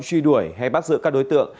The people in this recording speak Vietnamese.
truy đuổi hay bắt giữ các đối tượng